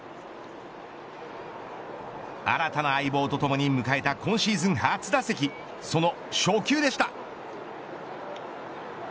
新たな相棒とともに迎えた今シーズン初打席その初球でした。